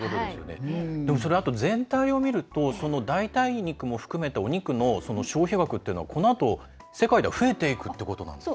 でもそれだと全体を見ると代替肉を含めたお肉の消費額っていうのはこのあと世界では増えていくっていうことなんですね。